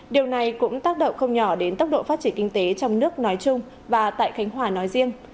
điều này cũng tác động không nhỏ đến tốc độ phát triển kinh tế trong nước nói chung và tại khánh hòa nói riêng